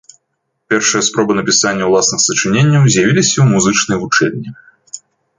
Першыя спробы напісання ўласных сачыненняў з'явіліся ў музычнай вучэльні.